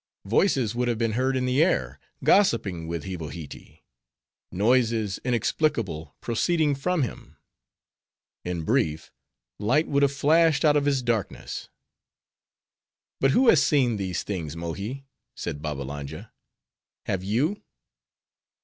Voices would have been heard in the air, gossiping with Hivohitee; noises inexplicable proceeding from him; in brief, light would have flashed out of his darkness. "But who has seen these things, Mohi?" said Babbalanja, "have you?"